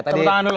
tepuk tangan dulu